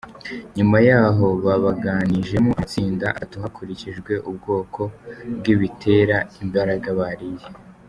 Nyuma yaho, babagabanijemo amatsinda atatu hakurikijwe ubwoko bw’ibitera imbaraga bariye.